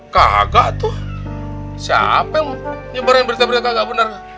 kagak tuh siapa yang nyebarin berita berita yang gak bener